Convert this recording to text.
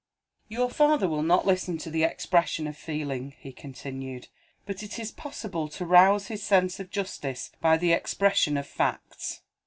"Your father will not listen to the expression of feeling," he continued; "but it is possible to rouse his sense of justice by the expression of facts.